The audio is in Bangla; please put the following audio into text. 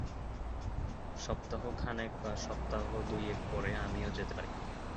সপ্তাহখানেক বা সপ্তাহ-দুয়েক পরে আমিও যেতে পারি।